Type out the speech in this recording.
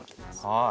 はい。